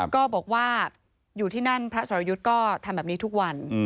ก็บอกว่าอยู่ที่นั่นพระสรยุทธ์ก็ทำแบบนี้ทุกวัน